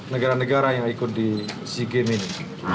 negara negara yang ikut di sea games ini